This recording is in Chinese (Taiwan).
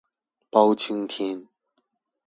包青天